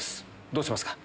どうしますか？